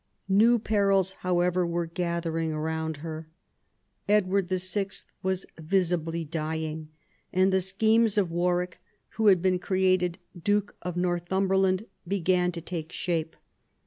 New perils, however, were gathering round her. Edward VI. was visibly dying; and the schemes of Warwick, who had been created Duke of Northum berland, began to take shape.